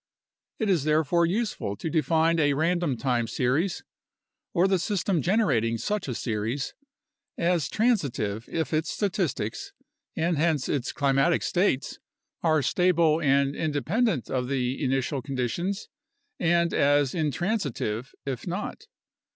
It is therefore useful to define a random time series (or the system generating such a series) as transitive if its statistics (and hence its climatic states) are stable and independent of the initial conditions and as intransitive if not.